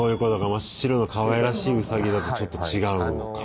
真っ白のかわいらしいウサギだとちょっと違うのか。